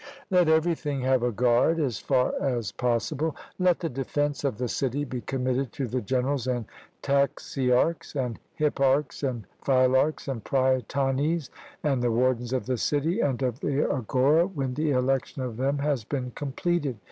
Let everything have a guard as far as possible. Let the defence of the city be commited to the generals, and taxiarchs, and hipparchs, and phylarchs, and prytanes, and the wardens of the city, and of the agora, when the election of them has been completed.